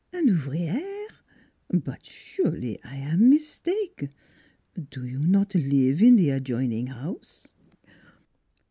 " Ah! An ouvriere? But surely I am mistake. Do you not live in the adjoining house?